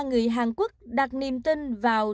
người hàn quốc đặt niềm tin vào